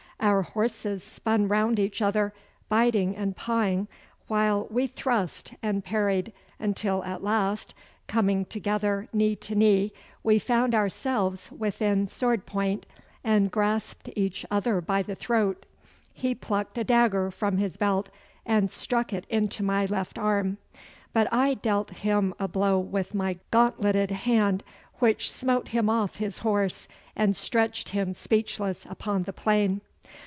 Our horses spun round each other, biting and pawing, while we thrust and parried, until at last, coming together knee to knee, we found ourselves within sword point, and grasped each other by the throat. He plucked a dagger from his belt and struck it into my left arm, but I dealt him a blow with my gauntleted hand, which smote him off his horse and stretched him speechless upon the plain.